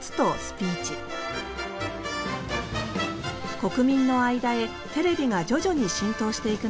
国民の間へテレビが徐々に浸透していく中